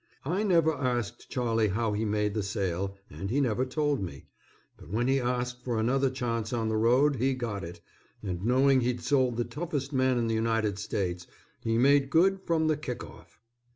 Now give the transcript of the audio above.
I never asked Charlie how he made the sale, and he never told me, but when he asked for another chance on the road he got it, and knowing he'd sold the toughest man in the United States he made good from the kick off.